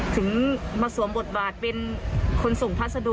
ถึงมาสวมบทบาทเป็นคนส่งพัสดุ